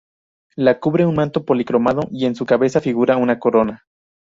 La cubre un manto policromado y en su cabeza figura una corona.